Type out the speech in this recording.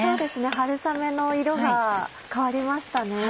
春雨の色が変わりました。